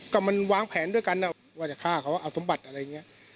ก็มันวางแผนด้วยกันว่าจะฆ่าเขาเอาสมบัติอะไรอย่างนี้